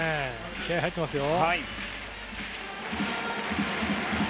気合、入っていますよ。